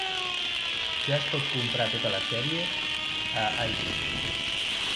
Ja es pot comprar tota la sèrie a iTunes.